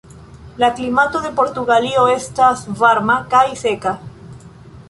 La klimato de Portugalio estas varma kaj seka.